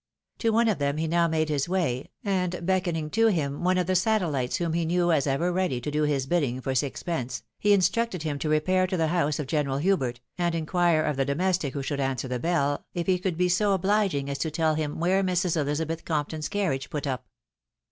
To one of them he now made his way, and beckoning to him one of the satellites whom he knew as ever ready to do his bidding for six pence, he instructed him to repair to the house of General Hubert, and inquire of the domestic who should answer the bell, if he could be so obhging as to teU him where Mrs. Elizabeth Compton's carriage put up.